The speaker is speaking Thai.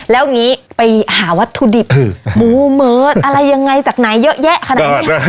แล้วอย่างนี้ไปหาวัตถุดิบหมูเมิร์ดอะไรยังไงจากไหนเยอะแยะขนาดนี้